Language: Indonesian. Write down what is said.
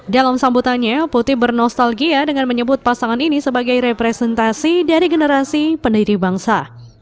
dalam sambutannya putih bernostalgia dengan menyebut pasangan ini sebagai representasi dari generasi pendiri bangsa